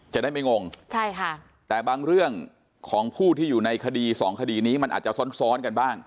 จะได้ไม่งงใช่ค่ะแต่บางเรื่องของผู้ที่อยู่ในคดีสองคดีนี้มันอาจจะซ้อนซ้อนกันบ้าง